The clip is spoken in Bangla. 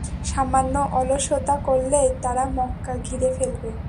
সামান্য অলসতা করলেই তারা মক্কা ঘিরে ফেলবে।